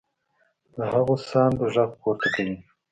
د هغو ساندو غږ پورته کوي.